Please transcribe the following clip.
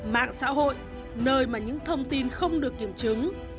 mạng xã hội nơi mà những thông tin không được kiểm chứng